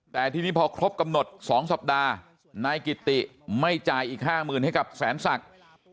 แต่ทีนี้พอครบกำหนด๒สัปดาห์นายกิติไม่จ่ายอีก๕๐๐๐ให้กับแสนศักดิ์